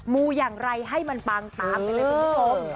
มูอย่างไรให้มันปังตามไปเลยคุณผู้ชม